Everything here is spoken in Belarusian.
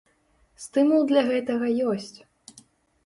Стымул для гэтага ёсць!